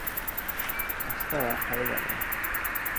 唔駛下下用真氣嘅